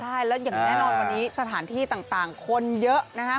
ใช่แล้วอย่างแน่นอนวันนี้สถานที่ต่างคนเยอะนะครับ